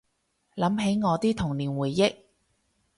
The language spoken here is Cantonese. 又諗起我啲童年回憶